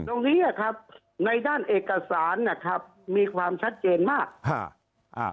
ตรงนี้อ่ะครับในด้านเอกสารนะครับมีความชัดเจนมากฮะอ่า